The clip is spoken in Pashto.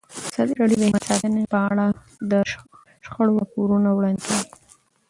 ازادي راډیو د حیوان ساتنه په اړه د شخړو راپورونه وړاندې کړي.